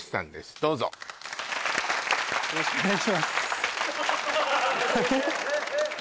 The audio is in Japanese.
どうぞよろしくお願いしますえっ？